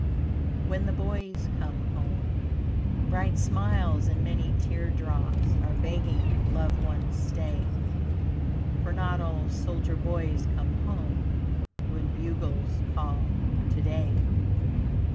WHEN THE BOYS COME HOME Bright smiles and many tear drops Are begging loved ones stay; For not all soldier boys come home When bugles call today.